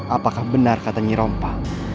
apakah benar kata nyirompa